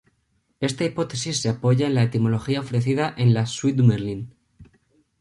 Esta hipótesis se apoya en la etimología ofrecida en la "Suite du Merlin".